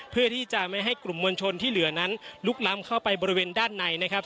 เพื่อที่จะไม่ให้กลุ่มมวลชนที่เหลือนั้นลุกล้ำเข้าไปบริเวณด้านในนะครับ